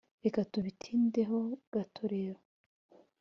reka tubitindeho gato rero.